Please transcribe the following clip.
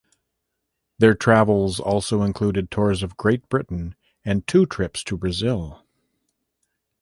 Their travels also included tours of Great Britain and two trips to Brazil.